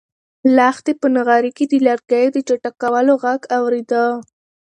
لښتې په نغري کې د لرګیو د چټکولو غږ اورېده.